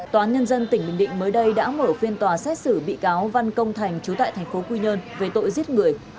toán nhân dân tỉnh bình định mới đây đã mở phiên tòa xét xử bị cáo văn công thành chú tại tp qn về tội giết người